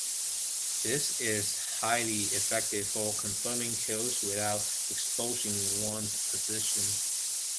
This is highly effective for confirming kills without exposing one's position.